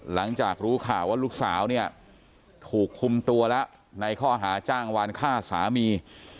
หลังจากรู้ข่าวว่าลูกสาวเนี่ยถูกคุมตัวแล้วในข้อหาจ้างวานฆ่าสามี